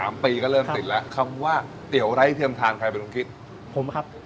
ปีก็เริ่มติดแล้วคำว่าเตี๋ยวไร้เทียมทานใครเป็นคนคิดผมครับ